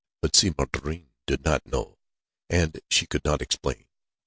But Si Maïeddine did not know, and she could not explain.